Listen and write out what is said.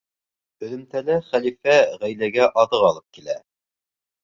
Һөҙөмтәлә хәлифә ғаиләгә аҙыҡ алып килә.